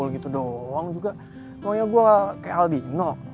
gitu doang juga kayak albino